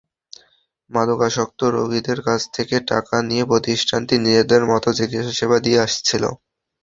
মাদকাসক্ত রোগীদের কাছ থেকে টাকা নিয়ে প্রতিষ্ঠানটি নিজেদের মতো চিকিৎসাসেবা দিয়ে আসছিল।